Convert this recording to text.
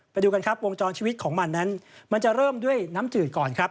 ไปดูกันครับวงจรชีวิตของมันนั้นมันจะเริ่มด้วยน้ำจืดก่อนครับ